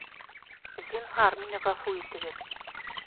— Зинһар, мине ғәфү итегеҙ!